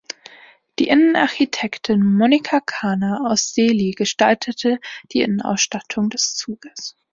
Die Innenarchitektin Monica Khanna aus Delhi gestaltete die Innenausstattung des Zuges.